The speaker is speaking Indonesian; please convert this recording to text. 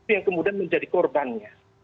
yang kemudian menjadi korbannya